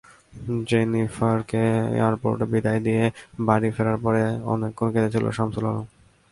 জেনিফারকে এয়ারপোর্টে বিদায় দিয়ে বাড়ি ফেরার পরে অনেকক্ষণ কেঁদেছিল শামসুল আলম।